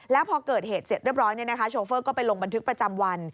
แล้วพอเกิดเหตุเสร็จเรียบร้อยโชเฟอร์ก็ไปลงบันทึกประจำวัน